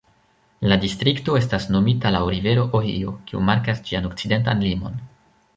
La distrikto estas nomita laŭ rivero Ohio, kiu markas ĝian okcidentan limon.